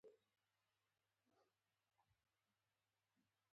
یوازې د اسلامي دین مرکزونه لري.